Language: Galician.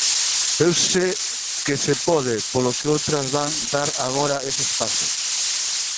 Veuse que se pode, polo que outras van dar agora eses pasos.